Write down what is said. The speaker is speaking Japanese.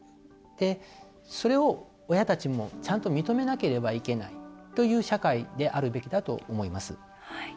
それを、親たちもちゃんと認めなければいけないという社会であるべきだと思います。